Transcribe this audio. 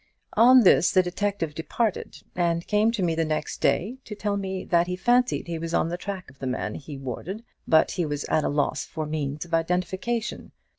On this the detective departed, and came to me the next day, to tell me that he fancied he was on the track of the man he wanted, but he was at a loss for means of identification.